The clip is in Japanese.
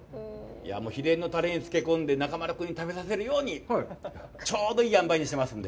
秘伝のタレに漬け込んで、中丸君に食べさせるようにちょうどいいあんばいにしてますので。